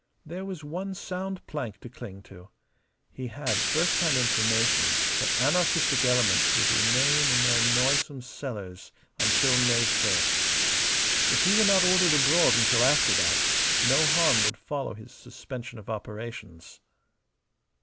There was one sound plank to cling to. He had first hand information that anarchistic elements would remain in their noisome cellars until May first. If he were not ordered abroad until after that, no harm would follow his suspension of operations.